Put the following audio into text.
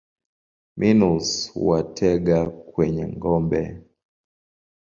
Minus huwatega kwenye ngome.